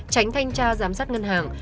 tránh thanh tra giám sát ngân hàng